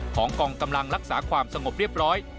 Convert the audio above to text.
กองกำลังรักษาความสงบเรียบร้อย